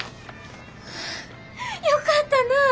よかったなぁ！